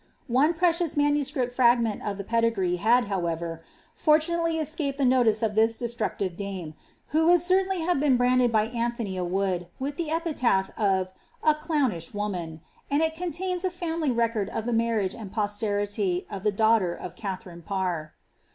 One precious MS. fragment of the pedigree had, however, fortunately escaped the notice of this destructive dame, who would certainly have been branded by Anthony a Wood with the epithet of ^ a clownish woman," and it contains a family re cord of tlie marriage and posterity of the daughter of Katharine Parr.